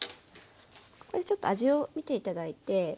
これでちょっと味をみて頂いて。